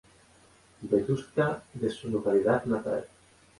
Vetusta de su localidad natal.